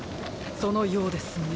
そのようですね。